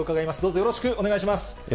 よろしくお願いします。